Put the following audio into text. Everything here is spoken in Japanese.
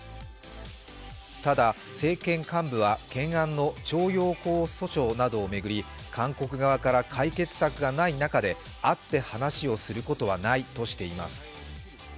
ただ政権幹部は、懸案の徴用工訴訟などを巡り韓国側から解決策がない中で会って話をすることはないとしています。